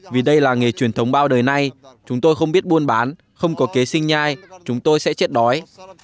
vì đây là nghề truyền thống bao đời nay chúng tôi không biết buôn bán không có kế sinh nhai chúng tôi sẽ chết đói